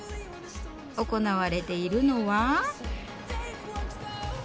行われているのは。